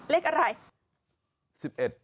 เลขอะไร